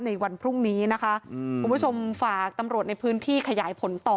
ในวันพรุ่งนี้นะคะคุณผู้ชมฝากตำรวจในพื้นที่ขยายผลต่อ